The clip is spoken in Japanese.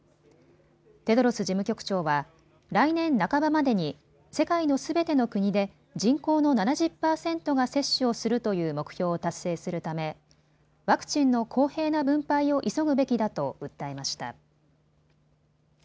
テドロス事務局長は来年半ばまでに世界のすべての国で人口の７０％が接種をするという目標を達成するためワクチンの公平な分配を急ぐべきだと訴えました。